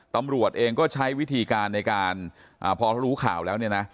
ตำรวจเองก็ใช้วิธีการในการพอรู้ข่าวแล้วเนี่ยนะ